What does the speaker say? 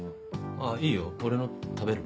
いいよ俺の食べる？